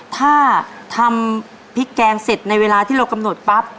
ถ้าทำพริกแกงเสร็จในเวลาที่เรากำหนดปั๊บ